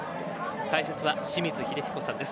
解説は清水秀彦さんです。